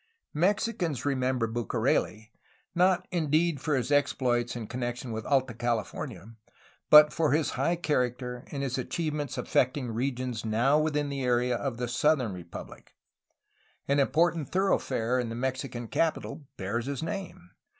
Mexicans remember Bucareli, not indeed for his exploits in connection with Alta California, but for his high character and his achievements affecting regions now within the area of the southern republic. An important thoroughfare in the Mexican capital bears his name.